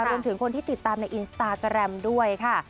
รวมถึงคนที่ติดตามในอินสตาแกรมด้วยค่ะ